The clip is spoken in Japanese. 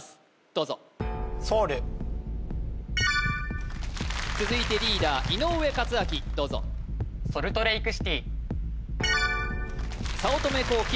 どうぞ続いてリーダー・井上健彰どうぞ早乙女幸輝